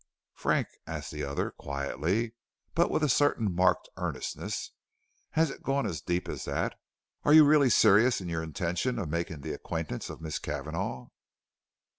"Frank," asked the other, quietly, but with a certain marked earnestness, "has it gone as deep as that? Are you really serious in your intention of making the acquaintance of Miss Cavanagh?"